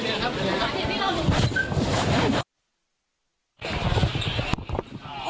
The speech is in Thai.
รับทราบ